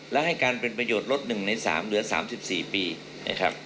และให้การเป็นประโยชน์ลด๑ใน๓เหลือ๓๔ปีนะครับ